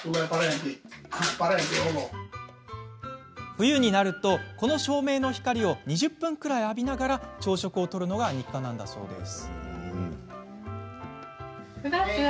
冬になると、この照明の光を２０分くらい浴びながら朝食をとるのが日課なんだそうです。